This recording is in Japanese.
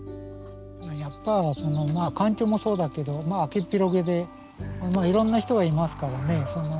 やっぱ環境もそうだけど開けっぴろげでいろんな人がいますからね。